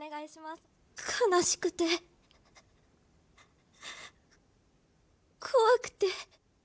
悲しくて怖くて。